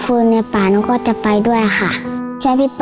ซึ่งเป็นคำตอบที่